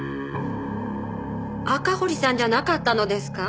赤堀さんじゃなかったのですか？